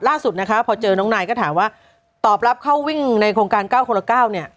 ล่าสุดนะคะพอเจอน้องนายก็ถามว่าตอบรับเข้าวิ่งในโครงการ๙คนละ๙เนี่ย